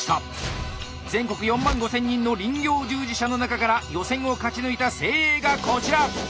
全国４万５，０００人の林業従事者の中から予選を勝ち抜いた精鋭がこちら！